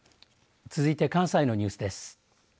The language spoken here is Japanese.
続いて関西のニュースです。